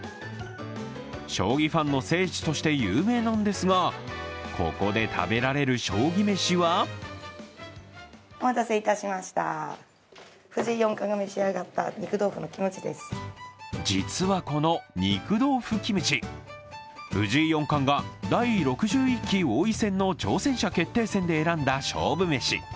将棋ファンの聖地として有名なんですが、ここで食べられる将棋めしは実はこの肉豆腐キムチ、藤井四冠が第６１期王位戦の挑戦者決定戦で選んだ勝負めし。